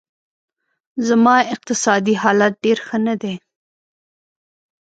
زما اقتصادي حالت ډېر ښه نه دی